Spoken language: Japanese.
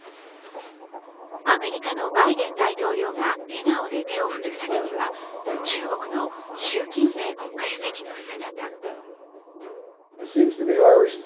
アメリカのバイデン大統領が笑顔で手を振る先には中国の習近平国家主席の姿。